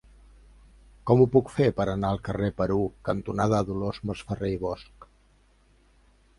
Com ho puc fer per anar al carrer Perú cantonada Dolors Masferrer i Bosch?